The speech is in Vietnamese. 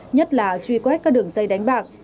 nhất là truy quét các đường dây đánh bạc